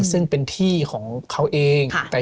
ซึ่งเป็นที่ของเขาเอง